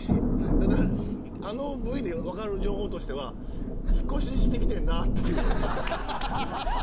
ただあのブイでわかる情報としては引っ越ししてきてんなっていう。